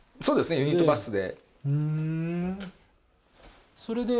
ユニットバスで。